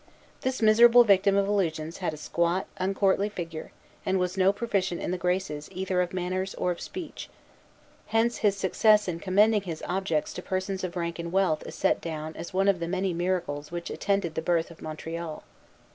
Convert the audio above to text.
This miserable victim of illusions had a squat, uncourtly figure, and was no proficient in the graces either of manners or of speech: hence his success in commending his objects to persons of rank and wealth is set down as one of the many miracles which attended the birth of Montreal.